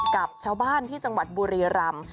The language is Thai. กับชาวบ้านที่จังหวัดบุรีรำ